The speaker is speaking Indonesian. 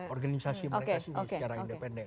organisasi mereka sendiri secara independen